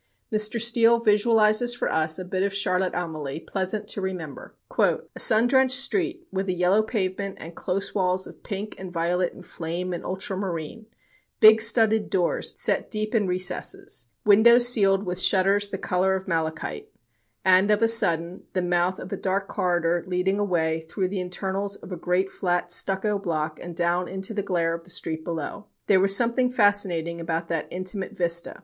Mr. Steele visualizes for us a bit of Charlotte Amalie, pleasant to remember: "A sun drenched street with a yellow pavement and close walls of pink and violet and flame and ultramarine; big studded doors set deep in recesses; windows sealed with shutters the color of malachite; and, of a sudden, the mouth of a dark corridor leading away through the internals of a great flat stucco block and down into the glare of the street below. There was something fascinating about that intimate vista.